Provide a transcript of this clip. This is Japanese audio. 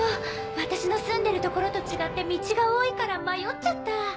私の住んでる所と違って道が多いから迷っちゃった！